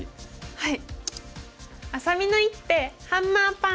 はい。